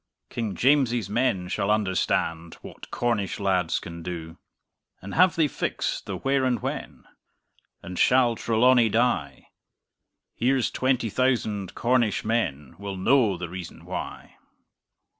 King James's men shall understand What Cornish lads can do! And have they fixed the where and when? And shall Trelawny die? Here's twenty thousand Cornish men Will know the reason why!